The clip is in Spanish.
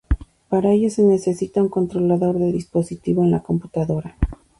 Para ello se necesita un controlador de dispositivo en la computadora.